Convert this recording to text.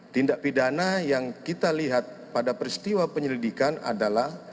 tindak pidana yang kita lihat pada peristiwa penyelidikan adalah